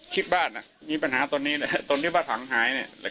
เขียบบ้านดีมีปัญหาตนีเลยตนนี้ภังหายเนี่ย